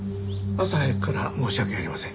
朝早くから申し訳ありません。